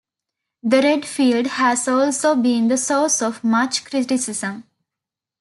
The red field has also been the source of much criticism.